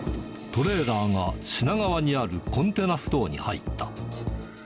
トレーラーが品川にあるコンテナふ頭に入った。